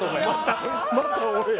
また俺や。